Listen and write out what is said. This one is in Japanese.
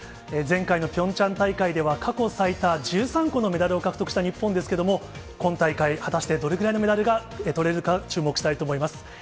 前回のピョンチャン大会では過去最多１３個のメダルを獲得した日本ですけれども、今大会、果たしてどれぐらいのメダルがとれるか注目したいと思います。